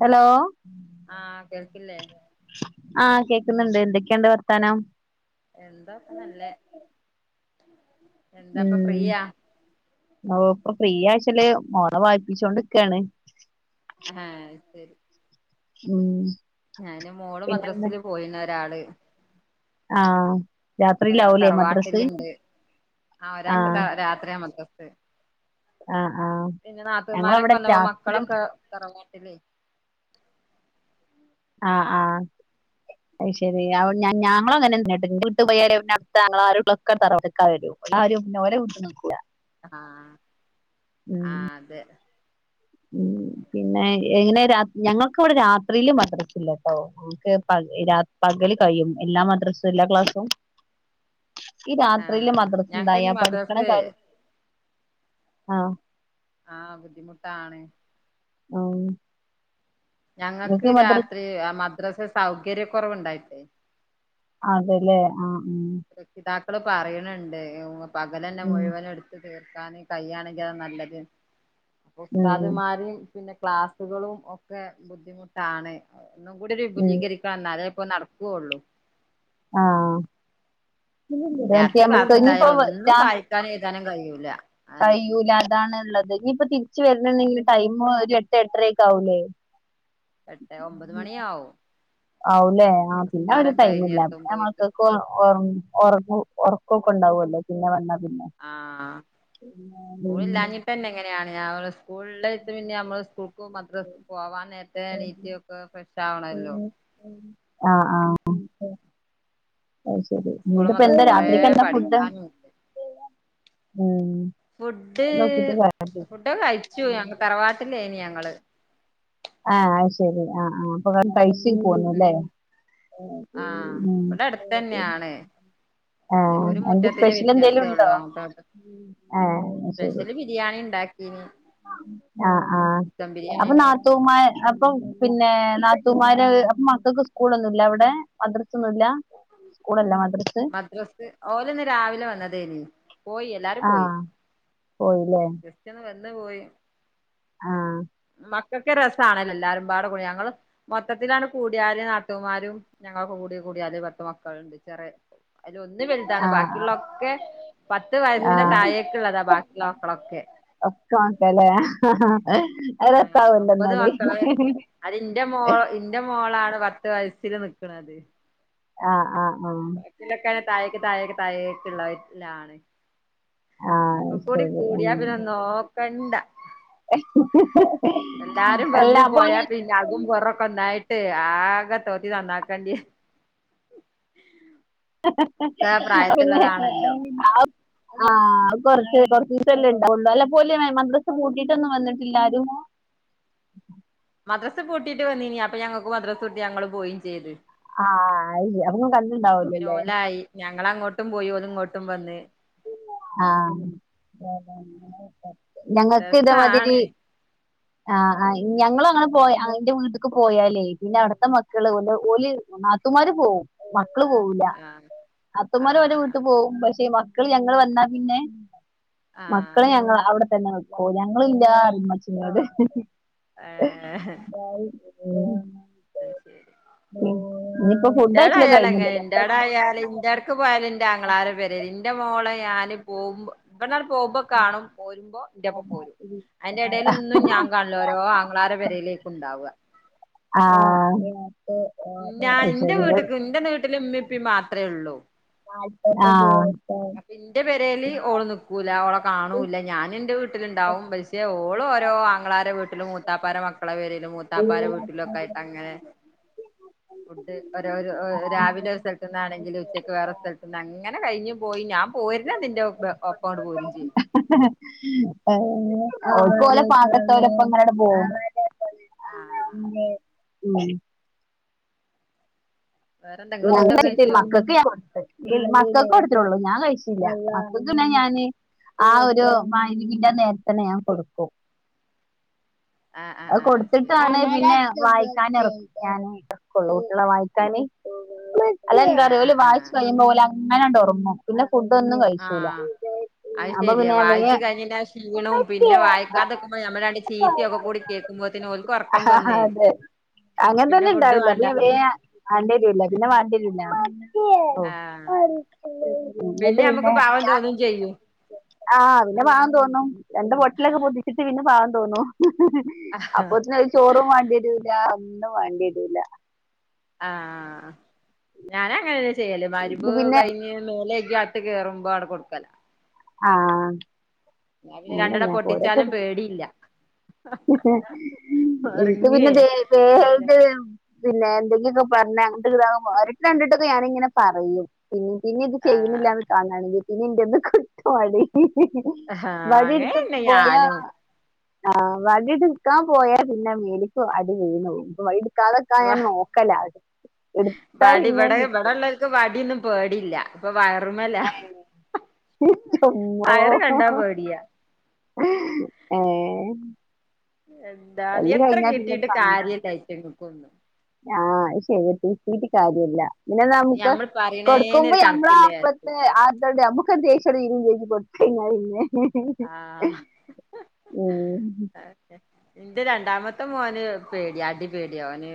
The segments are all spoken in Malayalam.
ഹെലോ ആഹ് കേൾക്കില്ലെ? ആഹ് കേക്കുന്നുണ്ട് ന്തൊക്കെയുണ്ട് വർത്താനം? എന്താപ്പ അല്ലെ. ഉം ഒ ഇപ്പ ഫ്രീ ആയ്ച്ചല് മോള വായിപ്പിച്ചോണ്ട്ക്കാണ്. ആഹ് ശരി. ഉം. ഞാന് മോള് പിന്നെന്താ മദ്രസില് പോയിന്ന ഒരാള് ആഹ്. ഒരാള് രാത്രിയിലാവൂലേ മദ്രസ് തറവാട്ടിലുണ്ട് ആ ഒരാക്ക് ത ആഹ് രാത്രിയാ മദ്ര ആഹ് ആഹ്. പിന്നെ നാത്തൂൻമാരക്കെ ഞങ്ങളവിടെ വന്നപ്പോ രാത്രി മക്കളൊക്ക തറവാട്ടിലെയ് ആഹ് ആഹ് അയ്ശരി, അവ് ഞാൻ ഞ ഞാമ്മ്ള് തന്നെ [unintelligible] [unintelligible] ഞങ്ങളാരു ളക്ക തറവാട്ടിക്ക വെരൂ ആരും ഓര വീട്ടി നിക്കൂല. ആഹ് ഉം ആഹ് അതെ. ഉം പിന്നെ എങ്ങനെ രാത് ഞങ്ങക്ക്വ്ടെ രാത്രീല് മദ്രസല്ലാട്ടോ. നമുക്ക് പ രാ പകല് കഴിയും എല്ലാ മദ്രസ് എല്ലാ ക്ലാസ്സും ഈ രാത്രീല് ആഹ് മദ്രസുണ്ടായ ഞങ്ങക്കിനി പഠിക്ണ മദ്രസ് കാര്യം ആഹ് ആഹ് ബുദ്ധിമുട്ടാണ്. ആഹ്. ഞങ്ങക്ക് രാത്രീ അ മദ്രസ സൗകര്യക്കൊറവുണ്ടായിട്ടെയ് അതല്ലേ ആഹ് ഉം. രക്ഷിതാക്കള് പറയ്ണ് ണ്ട് പകലന്നെ ഉം മുഴുവനും എടു ത്ത് തീർക്കാന് കയ്യാണെങ്കി അയ് നല്ലത് പ്പൊ ഉം ഉസ്താദ്മാര് പിന്നെ ക്ലാസ്സുകളും ഒക്കെ ബുദ്ധിമുട്ടാണ് ഒന്നുംകൂടി രു ഉം വിപുലീകരി ക്ക എന്നാലെ ഇപ്പൊ നടക്ക്‌വോള്ളൂ. ആഹ്. [unintelligible] [unintelligible] രാത്രി ക്ലാസ് [unintelligible] ഇനിപ്പോ ഉണ്ടായാലും ഒന്നും രാ വായിക്കാനും എഴുതാനും കഴിയൂല അതന്നെ കഴിയൂല അതാണ് ള്ളത് ഇനീപ്പ തിരിച്ച് വര്ണ് ണ്ടെങ്കില് ടൈമ് ഒരു എട്ട് എട്ടരെക്കെ ആവൂല്ലേ. എട്ടെ ഒമ്പത് മണിയാവും. ആവൂല്ലേ ആഹ് പിന്നെ ഒരു നിസ്കാരൊക്കെ ടൈമില്ല പ്പ കഴിഞ്ഞെത്തുമ്പോഴേക്ക് ഞമ്മൾക്ക് പ്പൊ ഒറ ഒറക്ക്‌ ഒറക്കക്കോ ണ്ടാവോല്ലോ പിന്നെ വന്ന പിന്നെ. ആഹ് സ്കൂളില്ലാഞ്ഞിട്ടന്നേ ഇങ്ങനെയാ സ്കൂള് ട്ട് പിന്നെ അമ്മള് സ്കൂൾക്കു മദ്രസ്ക്ക്‌ പോവാൻ നെര എണീറ്റ് ഒക്കാ ഫ്രഷ് ആവണല്ലോ. ആഹ് ആഹ്. അയ്ശരി സ്കൂളും ഇന്ന്ട്ട്പ്പേന്താ മദ്രസും കൊറേ രാത്രിക്കെന്താ ഫുഡ്? പഠിക്കാനുണ്ട് ഉം ഫുഡ് അത് നോക്കിട്ട് കാ ഫുഡൊക്ക കയിച്ചു ഞങ്ങ തറവാട്ട്ലെനു ഞങ്ങള്. ആഹ് അയ്ശെരി ആഹ് ആഹ് അപ്പൊ നിങ്ങ കയി ത്തി പോന്നൂല്ലേ ആഹ് ഉം ഇവിടെ അടുത്ത് തന്നെയാണ് ആഹ് ഒരു എന്തേ മുറ്റത്തിന്റെ വ്യത്യാസേ ഉള്ളൂ സ്പെഷ്യലെന്തെലുണ്ടോ അങ്ങോട്ടോട്ട് ഉം ആഹ് അയ് ശെരി ബിരിയാണിണ്ടാക്കീനി ആഹ് ആഹ് അപ്പൊ ഉണ്ടാക്കീന് നാത്തൂമാര് അപ്പം പിന്നെ നാത്തൂമാര് അപ്പം മക്കക്ക് സ്കൂളൊന്നൂല്ലവടെ മദ്രസൊന്നൂല്ല. സ്കൂളല്ല മദ്രസ്സ്. മദ്രസ് ഓല്ന്ന് രാവിലെ വന്നതേനി പോയി എല്ലാരും പോയി ആഹ് പോയില്ലേ ജെസ്റ്റൊന്ന് വന്ന് പോയി. ആഹ് മക്കക്ക് രസാണല്ലോ എല്ലാരുംപാട കൂടി ഞങ്ങൾ മൊത്തത്തിലാണ്ട് കൂട്യാല് നാത്തൂമാരും ഞങ്ങളൊക്കെകൂടി കൂട്യാല് പത്ത് മക്കള്ണ്ട് ചെറ്യേ അയ്ലൊന്ന് വെൽതാണ് ആഹ് ആഹ് ബാക്കിള്ളൊക്കെ പത്ത് വയസ്സിന് ആഹ് താഴേക്ക്ള്ളതാ ബാക്കിള്ളമക്കളൊക്കെ ഒക്കെ [unintelligible] ക്കലേ അത് രസായല്ലോന്നാല് അയ്‌ലിൻ്റെ മോള് ഇൻ്റെ മോളാണ് പത്ത് വയസ്സില് നിക്ക്ണത്. ആഹ് ആഹ് ആഹ് ക്കിലൊക്കെ താഴേക്ക് താഴേക്ക് താഴേക്ക്ള്ളാവെ ലാണ്. ആഹ് അത് ഒക്കെകൂടി ശരി ഉം കൂട്യാ പിന്നെ നോക്കണ്ട. [inaudible] എല്ലാരും അല്ല വന്ന് അപ്പൊ പോയാ പിന്നെ അകും പൊറൊക്കൊന്നായിട്ട് ആകെ തോത്തി നന്നാക്കെണ്ട്യെ ഒക്കെ അത് പിന്നെ പ്രായത്തിലുള്ളതാണല്ലോ ആ ആഹ് അത് കൊർച്ച് കൊർവ്വീസല്ലേ ണ്ടാവോള്ളൂ അല്ലപ്പോല് മൈ മദ്രസ്സ് പൂട്ടിയിട്ടൊന്നും വന്നിട്ടില്ലാരും. മദ്രസ് പൂട്ടീട്ട് വന്നീനി അപ്പൊ ഞങ്ങക്ക് മദ്രാസൂട്ടി ഞങ്ങള് പോയിം ചെയ്ത്. ആഹ് അയ്യ് അപ്പങ്ങള് പിന്നെ കണ്ട്ണ്ടാവൂലല്ലേ. ഓലായി ഞങ്ങളങ്ങോട്ടും പോയി ഓല്ങ്ങോട്ടും വന്ന്. ആഹ് ഞങ്ങക്കിതേമാതിരി രസാണ് ആഹ് ആഹ് ഞങ്ങൾ അങ്ങനെ പോയ ഇന്റെ വീട്ട്ക്ക് പോയാലേ പിന്നെ അവട്ത്തെ മക്കള് ഓല ഓല് നാത്തൂമാര് പോവും മക്കള് പോവൂല്ല ആഹ് നത്തൂമാര് അവരെ വീട്ട് ആഹ് പോവും പക്ഷേ മ ക്കള് ഞങ്ങൾ വന്നാ പിന്നെ മക്കള് ആഹ് ഞങ്ങ അവടെത്തന്നെ നി ഓല് ഞങ്ങളില്ലറിം ഇമ്മച്ചിനോട് ഏഹ് അയ് ശെരി ഇനിയിപ്പോ ഫുഡ് കഴിച്ചില്ല ഇൻ്റാടായാലങ്ങനെ കഴിഞ്ഞില്ലല്ലോ ഇൻ്റാടായാല് ഇൻ്റാട് ക്ക് പോയല് ഇൻ്റാ ങ്ങളാരെ പെരേല് ഇൻ്റെ മോളേ ഞാന് പോവുമ്പോ ഇബട്ന്നാണ്ട് പോവുമ്പോ കാണും പോരുമ്പം ഇന്റെ പ്പം പോരും അയ്ന്റെ ടെലൊന്നും ഞാൻ കാ ല്ലോരോ ആങ്ങളാരെ പെരേലേക്കുണ്ടാവ. ആഹ് ഞാ ഇന്റെ വീട്ട്ക്ക് ഇന്റെ നീട്ട്ല് ഇമ്മിപ്പിം മാത്രേള്ളൂ. ആഹ് ഇന്റെ പേരേല് ഓള് നിക്കൂല ഓളെ കാണൂല്ല ഞാന് ന്റെ വീട്ട്‌ല്ണ്ടാവും പക്ഷേ ഓ ഓളോരോ ആങ്ങളാരെ വീട്ട്ലും മൂത്താപ്പാരെ മക്കളെ പേരേലും മൂത്താപ്പാരെ വീട്ടിലൊക്കായിട്ടങ്ങനെ ഫുഡ് ഓരോരോ രാവിലൊര് സ്ഥല്ത്ത്ന്നാണെങ്കില് ഉച്ചക്ക് വേറെ സ്ഥൽത്ത്ന്ന് അങ്ങനെ കഴിഞ്ഞു പോയി ഞാം പോര്നന്ന് ഇന്റെ ബ ഒപ്പങ്ങട്ട് പോരും ചെയ്യും. ഓല്ക്ക് ഓലെ പാകത്തോലപ്പങ്ങനണ്ട് പോവും. ആഹ് [unintelligible] ഉം വേറെന്താ ഇങ്ങള് ഞാ ഫുഡൊക്കെ കഴ്ച്ചിട്ടില്ല കഴിച്ചോ മക്കക്ക് ഞാ കൊട്ത്ത്. മക്കക്കൊട്ത്ത്ട്ടൊള്ളൂ ഞാൻ കയിച്ചില്ല അപ്പ പിന്നെ ഞാന് ആ ഒരു മഗ്‌രിബിന്റെ നേരതെന്നെ ഞാൻ കൊട്ക്കും. ആഹ് ആഹ് അത് ആഹ് ശരി കൊട്ത്ത്ട്ടാണ് പിന്നെ വായിക്കാനെർ ഞാന് എർക്കൊള്ളൂ കുട്ട്യെളെ വായിക്കാന്. ആഹ് അതെന്താറ്യോ ആഹ് ഓല് വായിച്ച് ആഹ് കയുമ്പോലങ്ങനാണ്ടൊർങ്ങും പിന്നെ ഫുഡൊന്നും കയിച്ചൂല. ആഹ് അത് ശരിയാ വായിച്ചു കഴിഞ്ഞ ആ ക്ഷീണവും പിന്നെ വായിക്കാത്തതൊക്കുമ്പോ നമ്മാണ്ട് ചീയും ഒക്കെ കൂടി കേൾക്കുമ്പോ ഓല്ക് ഉറക്കം വന്നേ അതെ അങ്ങനെ പിന്നെ തന്നെ ഫുഡ് ഉണ്ടാവല് വേണ്ടാ അപ്പോപിന്നെ പറയും ഞാൻ പിന്നെ വാണ്ടിരില്ല ആഹ് പിന്നെ നമുക്ക് പാവം തോന്നും ചെയ്യൂ ആഹ് പിന്നെ പാവം തോന്നും രണ്ട് പൊട്ടിലൊക്കെ പൊതിച്ചിട്ട് പിന്നെ പാവം തോന്നു അപ്പൊത്തിന് ഒരു ചോറും വാണ്ടിവരൂല ഒന്നും വേണ്ടിടൂല ആഹ ഞാന അങ്ങനെന്ന ചെയ്യല് ഇത് മരിമ്പ് പിന്നെ കഴിഞ്ഞ് മേലേഗി അകത്ത് കയറുമ്പാണ് കൊടുക്കല ആഹ ഞാൻ പിന്നെ അന്നെ രണ്ടെണ്ണം പൊട്ടിച്ചാലും [unintelligible] പേടിയില്ല എനിക്ക് ഒറങ്ങേ പിന്നെത് എന്തേലും [unintelligible] പിന്നെ എന്തെങ്കിലുമൊക്കെ പറഞ്ഞ അങ്ങട്ട് ഇത ഒട്ട് രണ്ടിട്ടൊക്കെ ഞാനിങ്ങനെ പറയും പിന്നെ പിന്നെ ഇത് ആ ചെയ്യുന്നില്ല എന്ന് തോന്നാണെങ്കിൽ പിന്നെ എന്റെന്ത് [unintelligible] ആഹ് വടി എടുത്തക്ക് അങ്ങനെന്നെ പോയാ ഞാനും ആ വടിട്ക്കാൻ പോയാൽ പിന്നെ മേലപ്പ അടി വീന്ന്പോകും ക്കളൊക്കെ വ ഞാൻ നോക്കല അ എടുത്താ വടി പിന്നെ ഇവിടെ കിട്ടും ഇവിടെള്ളോർക്ക് വടിയൊന്നും പേടില്ല ഇപ്പൊ വയറുമല്ല ചുമ്മോ വയറ് കണ്ടാ പടിയാ [unintelligible] എന്താ തല്ല് എത്ര കഴിഞ്ഞാ പിന്നെ കിട്ടിയിട്ടും കാര്യല്ലായിറ്റ ങ്ങക്ക്ന്നും ആഹ ശരി കിട്ടീട്ട് കാര്യമല്ല ഇന്നെ നമുക്ക് ഞമ്മൾ കൊടുക്കൊ്പോ പറയണേനൊരു അമ്മള കണക്കില്ലേ വിചാരിച്ചു അപ്പത്തെ ആണ്ട് അമ്മ ദേശോടെ [unintelligible] കൊടുത്ത കഴിഞ്ഞ പിന്നെ ആഹ് ഉ അതെ ഇന്റെ രണ്ടാമത്തെ മോന് പേടി അടി പേടി ഓന്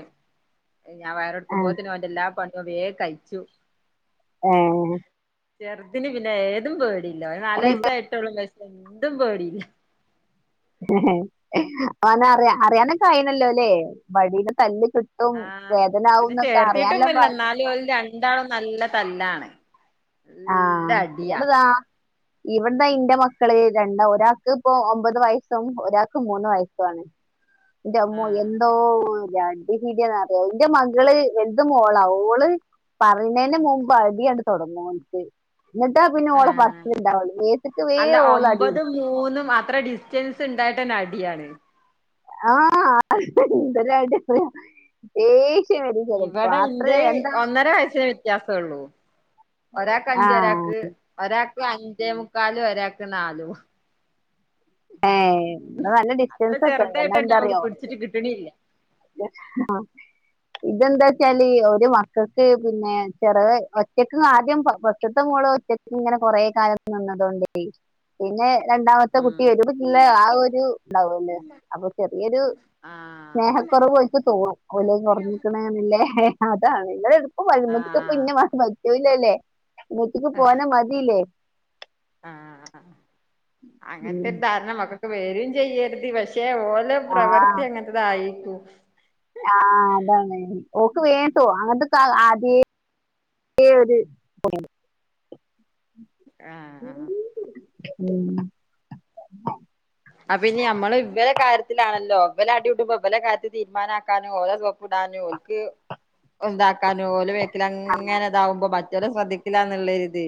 ഞാൻ ആ, വയറെടുക്കുമ്പോത്തന് ഓന്റെ എല്ലാ പണിയും വേഗ കഴിച്ചു ഏ ചെറുതിന് പിന്നെ ഏതും പേടിയില്ല നാല് അല്ല ഇവ- വയസായിട്ടോളും [unintelligible] എന്തും പേടിയില്ല [unintelligible] ഓന അറിയ അറിയാനൊക്കെനല്ലോ അല്ലേ വഴിയുടെ തല്ല് കിട്ട വും വേദന ആക എന്നൊക്കെ അറിയാനല്ല പ അാല [unintelligible] എന്താളും നല്ല തല്ലാണ് ആഹ നല്ല അടിയാ ഇവിടെതാ ഇവിടന്ന് ഇന്റെ മക്കള് രണ്ടാ ഒരാൾക്ക് ഇപ്പോ ഒമ്പത് വയസ്സും ഒരാക്ക് മൂന്ന് വയസ്സുണ് ഉ [unintelligible] ഇന്റെമ്മോ എന്തോരടി ന്ന്റിയോ എന്റെ മകള് വലത് മോളാ ഓള് പറയ്ണതിന് മുമ്പ് അടിയാണ് തുടങ്ങു എന്നിട്ടാ പിന്നെ ഓള ആഹ് പറചില് ഇണ്ടാവുള്ളൂ മേത്തക്ക് വേ അല്ല ഓള ഒമ്പതും അടിപടിച്ചു മൂന്നും അത്ര ഡിസ്റ്റൻസ് ഉണ്ടായിട്ടന്നെ നടിയാണ് ആ എന്റരഡിയാണ് ഏയ് ഇവിടെ ഇന്ത്യ ഒന്നര വയസ്സ വ്യത്യാസ ഉള്ളൂ ഒരാക്ക് ആ അഞ്ചും ഒരാക്ക് ഒരാൾക്ക് അഞ്ചേ മുക്കാലും ഒരാൾക്ക് നാലും ഏ നല്ല അത്ര ഡിസ്റ്റൻസ് ഒക്കെണ്ട്ല്ലേ ചെറുതായിട്ടന്നെ നമുക്ക് എന്താറിയോ പിടിച്ചിട്ട് കിട്ടണില്ല ആഹ ഇതെന്താ വെച്ചാല് ഒരു മക്കൾക്ക് പിന്നെ ചെറ ഒച്ചക്ക് ആദ്യം ഫസ്റ്റ്ത്തെ മോള ഒറ്റക്ക് ഇങ്ങനെ കൊറെേ കാലം നിന്നതൊണ്ടേ പിന്നെ രണ്ടാമത്തെ കു ഉം ട്ടില്ല ആ ഒരു ഉണ്ടാവല്ലേ അപ്പൊ ചെറിയൊരു ആഹ് സ്നേഹക്കുറവ് ഓല്ക് തോന്നും ഓല് ന്നൊരാങ്ങീക്ക്ന ല്ലേ അതാണ് നിങ്ങള എടുപ്പ പോയാലും ഇങ്ങൾക്ക് ഇന്നെ ആഹ് മാത്ര പറ്റുലല്ലേ ഉമ്മച്ചിക്ക് വനെ മതില്ലേ. ആ ഉം. അങ്ങനത്തെരു ധാരണം ഒക്കൊക്കെ വേരും ചെയ്യരുത്. പക്ഷെ ഓലും ആ പ്രവൃത്തി അങ്ങനത്തതായിക്കും. ആഹ അതാണ് ഓക്ക് വേട്ടോ അങ്ങനത്തെക്ക ആദ്യ ഏ [unintelligible] ആഹ് ആഹ് ഉം അപ്പ ഇനി നമ്മള് ഇവരെ കാര്യത്തിലാണല്ലോ വ് വല അടികുട്ടുമ്പോ വ് ല കാര്യൽ തീരുമാനമാക്കാനും ഓര സപ്പിടാനുംല്ല ഉണ്ടാക്കൻ ഒലെ അങ്ങനെ ഇതാവുമ്പോ മറ്റൊലെ ശ്രദ്ധിചില്ലാ ന്ന് ള്ളേര് ഇത്‌.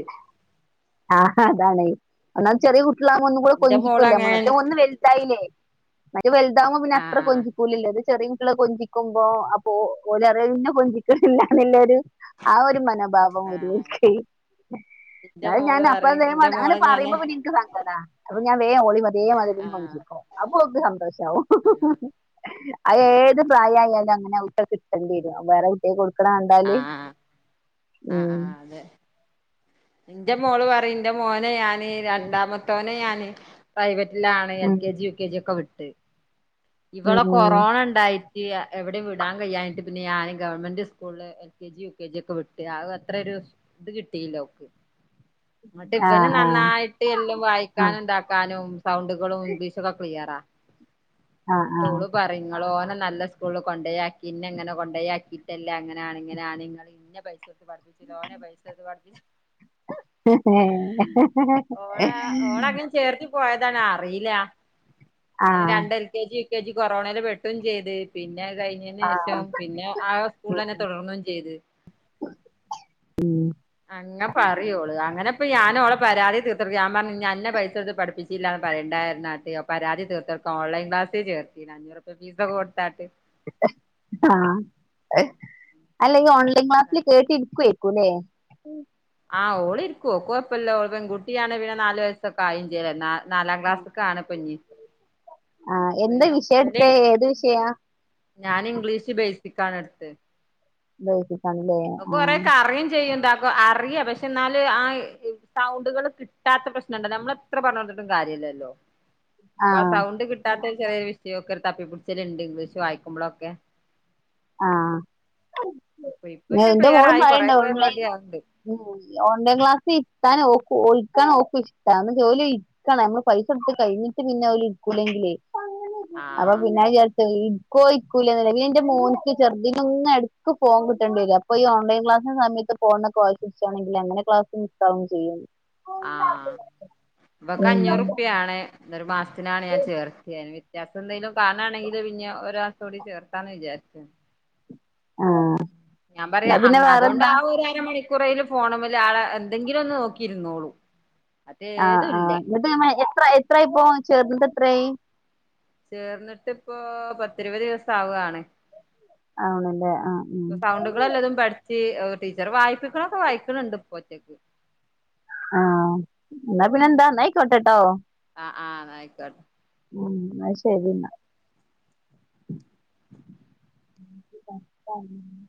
ആ അതാണ് ഒന്നാംത്തെ ചെിറിയ കുട്ടിള്ളാവുംബോ ഒന്നും കൂടെ എന്റെ മോള് കൊഞ്ചിക്കെല്ലോ അങ്ങനെ മറ്റേത് ഒന്ന് വെല്ത്.. വെൽത്തായില്ലേ മറ്റേത് വെലുതാവും ബോ പിന്നെ അത്ര ആഹ് കൊഞ്ചിക്കൂലില്ലത്. ചെറിയ കുട്ടികളെ കൊഞ്ചിക്കുമ്പോ അപ്പൊ ഓല് റിം അഹ് ഇന്നെ കൊഞ്ചിക്കില്ലന്നുള്ളരു. ആ ഒരു മനോഭാവം വരും ആഹ് ഒര് ക്കെ. എന്റെ ഇന്നാലും ഞാൻ മോള് അപ്പ പറയും എന്തെങ്കിലും എന്റെ അങ്ങന മോളെ ഞാന് പറുയുമ്പോ പിന്നെ എനിക്ക് സങ്കട അപ്പ ഞാൻ ഒളിമ് അതേ മതി... ഒളിം ആഹ് കളിപ്പിക്കും അപ്പൊ ഒക്ക് സന്തോഷവും. ആഹ് അത് ആഹ് ഏത് പ്രായ ആയാലും അങ്ങനെ അവും ട്ടാ ത് വരും വേറെ കൂട്ടിൾക്ക് കൊടുക്ക്ണത് കണ്ടാല് ആഹ് ഉം. ഇന്റെ മോള് പറയും എന്റെ മോനെ ഞാന് രണ്ടാമത്തോനെ ഞാന്. പ്രൈവറ്റിലാണ് എൽ ഉം. K G U K G ഒക്കെ പഠിച്ചത്. ഉം. ഇവളെ ഉം. കൊറോണ ണ്ടായിട്ട് എവിടെയും വിടാൻ കഴിയാഞ്ഞിട്ട് പിന്നെ ഞാന് ഗവൺമെന്റ് സ്കൂളില്.. L K G U K G ഒക്കെ വിട്ട് ആഹ് അത്രരു ഇത് കിട്ടില്ലോൾക്ക്.. ന്നെട്ട് ആ ഇവന് ആ നന്നായിട്ട് എല്ലാം ആ വായിക്കാനും ഇണ്ടാക്കനും. കനും സൗണ്ടുകളും ഇംഗ്ലീഷക്കെ ക്ലിയറ ആ ന്നെട്ട് ആ ഒള്ള് പറഞ്ഞ്. ങ്ങൾ ഓനെ നല്ല സ്കൂള് കൊണ്ടോ ആക്കി ന്നങ്ങനെ കൊണ്ട ആക്കിയിട്ടല്ലേ അങ്ങനെയണ ഇങ്ങനെയ.. ഇന്നെ പൈസടുത്ത് പഠപ്പിച്ചിലാ ഓനെ പൈസത്ത് പഠിപ്പിച്ചു.. [unintelligible] ചേർത്ത് പോയതാണ് അറിയില്ല ആ അങ്ങ രണ്ട് എൽ കെ ജി.. കൊറോണെൽ പെട്ടും ചെയ്ത് പിന്നെ അത് കഴിഞ്ഞതിന് ആ ശേഷം പിന്നെ ആ.. സ്കൂൾ ന്നെ തുടർന്നും ചെയ്ത്.. അങ്ങ പറയും ഓള് അങ്ങനെപ്പ ഞാൻ ഓള പരാതി തീർ. ഞാ പറഞ്ഞ് അന്നെ പൈസകെടുത്ത് പഠപ്പിച്ചില്ല എന്ന് പറേണ്ടരുന്നു പരാതി തീർതൊ ഓൺലൈ ക്ലാസ്.. ചേർത്തിന് അഞ്ഞൂറുപ്പ്യ പീസ്ക്കെ കൊടുത്താട്ട്. ആ അല്ലെ ഇ ഓൺലൈൻ ക്ലസില് കേട്ട് ഇരിക്കുയ്ക്കൂല്ലെ. ആഹ ഓളിരിക്കും ഓൾക്ക് കുഴപ്പല്ലാ പെൺകുട്ടിയാണ് പിന്നെ നാല് വയസ്സൊക്കെ ആയി ചൈത് ന്നാ. നാലാം ക്ലാസ്ക്ക് ആണ് പ്പഞ്ഞി. ആഹ എന്താ വിഷയം എടുത്ത ഏത് വിഷയാ. ഞാൻ ഇംഗ്ലീഷ് ബൈസിക്കണ് എടുത്ത്. ബൈസിക്.. പ്പ കൊറെക്കെറിയും ചെയ്യുംന്താ.. അറിയ പക്ഷെ എന്നാല് ആ സൗണ്ടുകൾ കിട്ടാത്ത പ്രശ്നംണ്ടല്ലാ നമ്മൾ എത്ര പറഞ്ഞ് കൊട്ടുംതിട്ടും കാര്യല്ലല്ലോ. പ്പാ ആ സൗണ്ട് കിട്ട. കിട്ടാതെ ഒരു ചെറിയ വിഷയോ ഒക്ക് തപ്പിപിടിച്ചാല്ണ്ട് ഇംഗ്ലീഷ് വായിക്കുമ്പോഴൊക്കെ. ആഹ അപ്പൊ ഇപ്പൊ പിന്നെ ന്റെ ക്ലിയർ മോളും ആയി പറയിണ്ട് കൊറെയൊക്കെ ഓൺലൈൻ. റെഡി ആവണ്ട് ഉ ഓൺലൈൻ ക്ലാസ് ഇര്ത്താൻ ഓൾക്ക് ഇരിക്കാൻ ഓൾക്ക് ഇഷ്ടാ ന്ന ജോലി.. നഷ്ട്ടാണ് നമ്മൾ പൈസ കെടുത്ത് കഴിഞ്ഞിട്ട് പിന്നെ ഓല് ഇരിക്കുലെന്ക്കിലെ.. അപ്പൊ ആഹ് പിന്നെ ചേർത്ത് ഇരിക്കോ ഇരിക്കൂലെന്ന് പിന്നെ ന്റെ മോൻ. ചെറുതിന്നെന്ന് എടെക്ക് ഫോൺ കിട്ടേണ്ടി വരും അപ്പ ഓൺലൈൻ ക്ലാസി സമയത്ത് ഫോൺ വാശി പിടിച്ചാണെങ്കിൽ എങ്ങനെ ക്ലാസ്. മിസ്സാവും ചെയ്യും. ആഹ ഇവെക്ക് അഞ്ഞൂറുപ്യണ് ഒരു മാസത്തിനാണ് ഞാൻ ചേർത്തിന്. വിത്യാസം എന്തെങ്കിലും കാണാണെങ്കില്ൽ പിന്നെ ഒരു മാസം കൂടി ചേർത്താന്ന് വിചാരിച്ചു.. ആ.. ഞാൻ പറയാ അങ്ങ് അതൊണ്ട് ആ ഒര് അര മണി.. കുറെൽ ഫോണ് മെൽ എന്തെങ്കിലും ഒന്ന് നോക്കിരുന്നോളൂ.. ആഹ് ആഹ് ഇന്നെട്ട് എത്ര എത്രായി ഇപ്പോ ചേർന്ന്ട്ട് എത്രായി.. ചേർന്നിട്ട്പ്പോ പത്തിരുപത് ദിവസം ആവാണ്.. ആണല്ലേ ആ ഉം.. വല്ലതും പഠിച്ച് ടീച്ചർ വായിപ്പിക്കണൊക്കെ വായിക്കണണ്ട് ഇപ്പോ ഒറ്റക്ക്.. ആഹ ന്നാ പിന്നെ എന്താ ന്നയിക്കോട്ടട്ടോ.. ആഹ് ആഹ് ന്ന ആയിക്കോട്ടെ ഉം അത് ശരി എന്നാ ത [unintelligible]